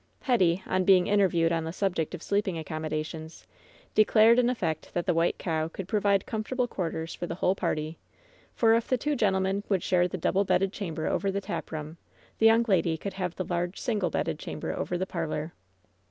Hetty, on being interviewed on the subject of sleeping accommodations, declared in effect that "The White CoV could provide comfortable quarters for the whole party, for if the two gentlemen would share the double bedded chamber over the taproom, the young lady could have the lars^e single bedded chamber over the parlor.